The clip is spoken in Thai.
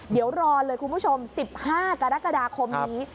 เดี๋ยวรอเลยคุณผู้ชม๑๕กรกฎาคมนี้